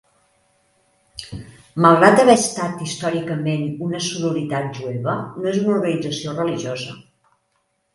Malgrat haver estat històricament una sororitat jueva, no és una organització religiosa.